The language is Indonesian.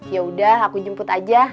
yaudah aku jemput aja